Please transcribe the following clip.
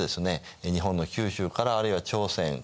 日本の九州からあるいは朝鮮中国